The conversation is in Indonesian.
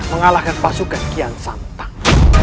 mengalahkan pasukan kian santang